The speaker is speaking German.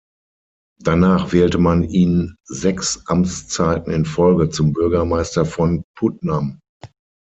Danach wählte man ihn sechs Amtszeiten in Folge zum Bürgermeister von Putnam.